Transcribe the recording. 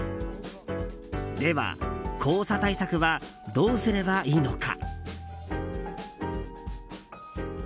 では、黄砂対策はどうすればいいのか。